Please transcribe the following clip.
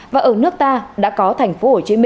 và ở nước ta đã có thành phố